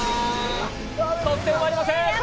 得点はありません。